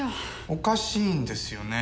おかしいんですよね。